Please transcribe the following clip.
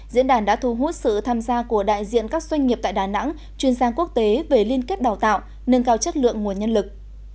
diễn đàn đã thu hút sự tham gia của đại diện các doanh nghiệp tại đà nẵng chuyên sang quốc tế về liên kết đào tạo nâng cao chất lượng nguồn nhân lực